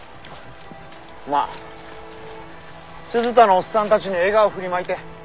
まあ鈴田のおっさんたちに笑顔を振りまいて。